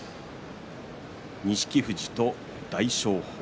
錦富士と大翔鵬。